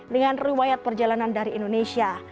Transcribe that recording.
dan ruwayat perjalanan dari indonesia